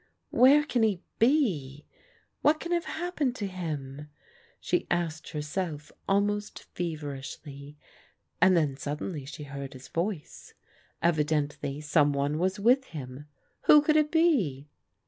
*' Where can he be? What can have happened to him?'' she asked herself almost feverishly, and then suddenly she heard his voice. Evidently some one was with him. Who could it be?